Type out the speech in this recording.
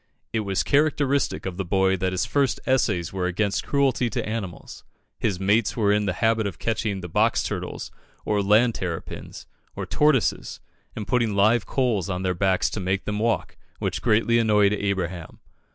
It was characteristic of the boy that his first essays were against cruelty to animals. His mates were in the habit of catching the box turtles, or land terrapins, or tortoises, and putting live coals on their backs to make them walk, which greatly annoyed Abraham.